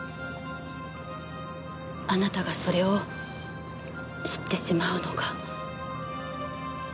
あなたがそれを知ってしまうのが。